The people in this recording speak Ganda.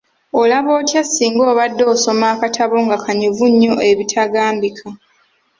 Olaba otya singa obadde osoma akatabo nga kanyuvu nnyo ebitagambika.